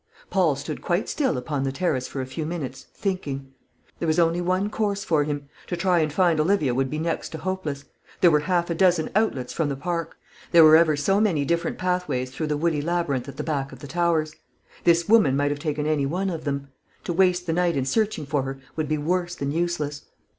Paul stood quite still upon the terrace for a few minutes, thinking. There was only one course for him. To try and find Olivia would be next to hopeless. There were half a dozen outlets from the park. There were ever so many different pathways through the woody labyrinth at the back of the Towers. This woman might have taken any one of them. To waste the night in searching for her would be worse than useless.